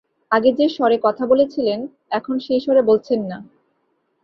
আগে যে-স্বরে কথা বলছিলেন, এখন সেই স্বরে বলছেন না!